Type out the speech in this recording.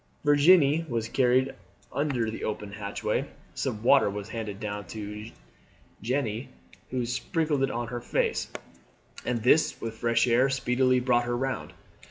Virginie was carried under the open hatchway; some water was handed down to Jeanne, who sprinkled it on her face, and this with the fresh air speedily brought her round.